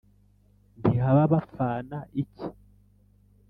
Ntihaba bapfana iki.